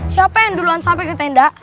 siapa yang duluan sampai ke tenda